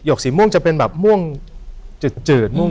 หยกสีม่วงจะเป็นแบบม่วงจืด